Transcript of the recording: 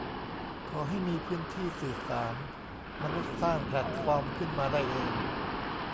ขอให้มีพื้นที่สื่อสาร มนุษย์สร้างแพลตฟอร์มขึ้นมาได้เอง